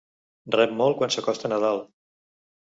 Rep molt quan s'acosta Nadal.